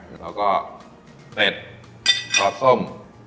เลยแล้วก็เป็ดซอสส้ม